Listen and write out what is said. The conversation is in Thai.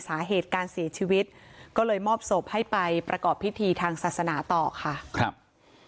นะครับแล้วก็หาตัวไปตั้งเมื่อไรครับ